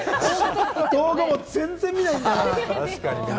動画も全然見ないんだよな。